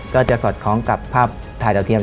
ก็จะสอดคล้องกับภาพถ่ายดาวเทียม